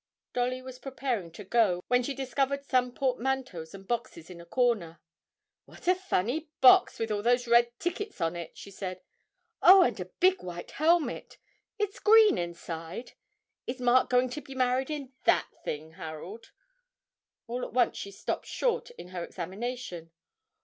Dolly was preparing to go, when she discovered some portmanteaus and boxes in a corner. 'What a funny box, with all those red tickets on it!' she said. 'Oh, and a big white helmet it's green inside. Is Mark going to be married in that thing, Harold?' all at once she stopped short in her examination.